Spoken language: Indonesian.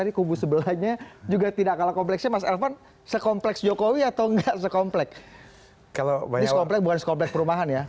ini skoplek bukan skoplek perumahan ya